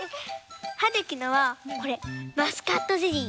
はるきのはこれマスカットゼリー。